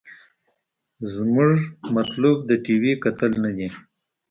زمونګه مطلوب د ټي وي کتل نه دې.